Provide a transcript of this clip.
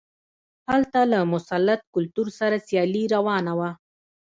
هلته له مسلط کلتور سره سیالي روانه وه.